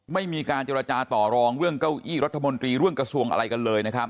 ไม่มีการเจรจาต่อรองเรื่องเก้าอี้รัฐมนตรีเรื่องกระทรวงอะไรกันเลยนะครับ